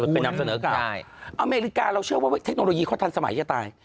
เคยนำเสนอข่าวอเมริกาเราเชื่อว่าเทคโนโลยีเขาทันสมัยจะตาย